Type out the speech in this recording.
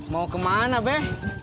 mau kemana be